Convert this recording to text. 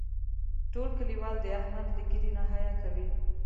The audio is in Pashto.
ټول کلیوال د احمد له ږیرې نه حیا کوي.